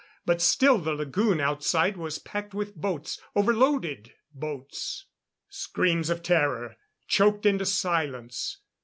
But still the lagoon outside was packed with boats overloaded boats.... Screams of terror, choked into silence